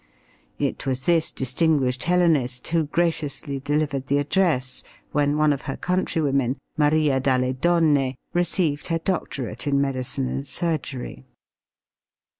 It was this distinguished Hellenist who graciously delivered the address when one of her countrywomen, Maria dalle Donne, received her doctorate in medicine and surgery.